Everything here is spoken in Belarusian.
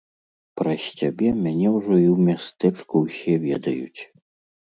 Праз цябе мяне ўжо і ў мястэчку ўсе ведаюць!